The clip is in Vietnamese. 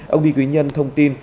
ông đinh quý nhân thông tin